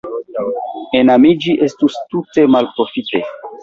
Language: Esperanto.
Enamiĝi estus tute malprofite.